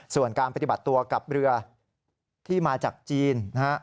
ส่วนการปฏิบัติตัวกับเรือที่มาจากจีนนะฮะ